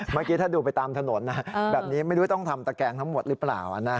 เมื่อกี้ถ้าดูไปตามถนนนะแบบนี้ไม่รู้ต้องทำตะแกงทั้งหมดหรือเปล่า